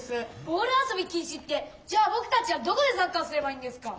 ボール遊び禁止ってじゃあぼくたちはどこでサッカーすればいいんですか？